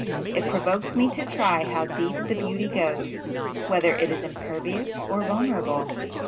It provokes me to try how deep the beauty goes—whether it is impervious or vulnerable.